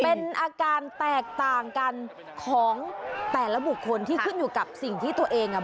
เป็นอาการแตกต่างกันของแต่ละบุคคลที่ขึ้นอยู่กับสิ่งที่ตัวเองอ่ะ